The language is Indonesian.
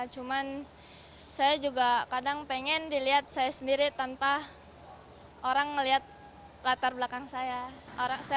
cuman saya juga kadang pengen dilihat saya sendiri tanpa orang melihat latar belakang saya